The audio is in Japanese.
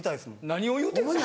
何を言うてんすか？